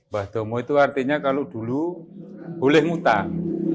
bahdomo itu artinya kalau dulu boleh ngutang